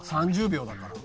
３０秒だから。